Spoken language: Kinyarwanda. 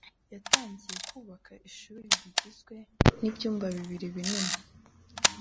yatangiye kubaka ishuri rigizwe n'ibyumba bibiri binini